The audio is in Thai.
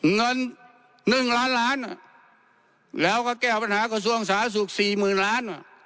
เงิน๑ล้านล้านแล้วก็แก้ปัญหากระทรวงสาธารณสุขสี่หมื่นล้าน